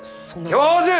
教授！